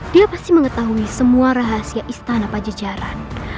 dia pasti mengetahui semua rahasia istana pajajaran